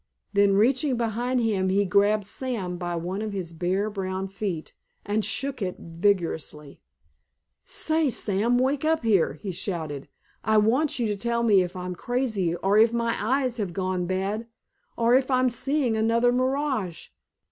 Then reaching behind him he grabbed Sam by one of his bare brown feet and shook it vigorously. "Say, Sam, wake up here!" he shouted. "I want you to tell me if I'm crazy or if my eyes have gone bad or if I'm seeing another mirage!